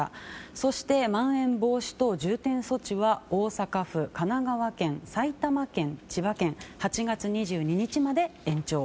そして、まん延防止等重点措置は大阪府、神奈川県、埼玉県千葉県、８月２２日まで延長。